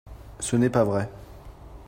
Ce n’est pas vrai